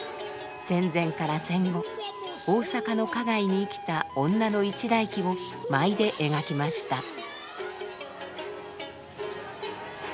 戦前から戦後大阪の花街に生きた女の一代記を舞で描きました。